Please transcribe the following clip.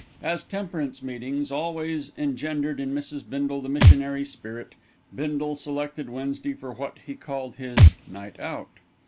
As temperance meetings always engendered in Mrs. Bindle the missionary spirit, Bindle selected Wednesday for what he called his "night out."